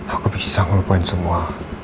aku bisa ngelupain semua